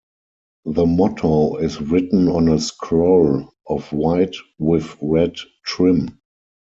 The motto is written on a scroll of white with red trim.